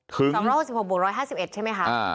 ถึงสองร้อยหกสิบหกบวกร้อยห้าสิบเอ็ดใช่ไหมคะอ่า